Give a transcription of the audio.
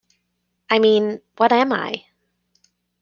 I mean, what am I?